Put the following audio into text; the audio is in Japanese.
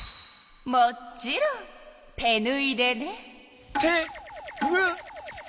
もちろん手ぬいでね。